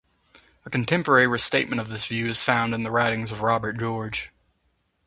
A contemporary restatement of this view is found in the writings of Robert George.